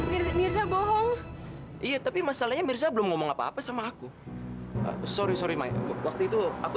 mirsa mirsa bohong iya tapi masalahnya mirsa belum ngomong apa apa sama aku sorry sorry waktu itu aku